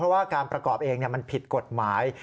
เพราะว่าการประกอบเองมันผิดกฎหมาย